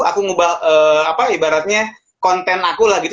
aku ngubah apa ibaratnya konten aku lah gitu